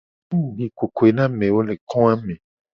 Tasi mu di kokoe na amewo le ko a me.